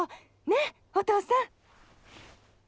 ねえお父さん。